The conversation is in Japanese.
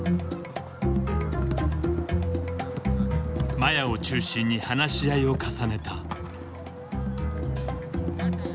麻也を中心に話し合いを重ねた。